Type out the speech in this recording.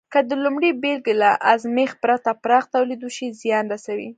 که د لومړۍ بېلګې له ازمېښت پرته پراخ تولید وشي، زیان رسوي.